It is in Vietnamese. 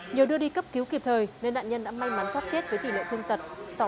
nhờ đưa đi cấp cứu kịp thời nên nạn nhân đã may mắn thoát chết với tỷ lệ thương tật sáu mươi